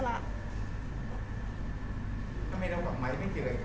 เราคุยกันค่ะแต่ว่ามันไม่ลงตัว